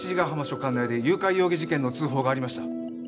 管内で誘拐容疑事件の通報がありました